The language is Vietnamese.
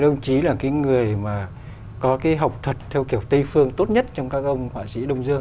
các ông chí là cái người mà có cái học thuật theo kiểu tây phương tốt nhất trong các ông họa sĩ đông dương